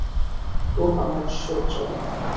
ওহ, আমার ঈশ্বর - চল।